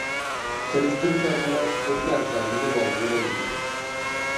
سېلىشتۇرۇش ئارقىلىق كۆپ نەرسىلەرنى بىلىۋالغىلى بولىدىكەن.